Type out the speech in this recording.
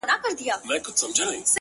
په خبرو کي خبري پيدا کيږي؛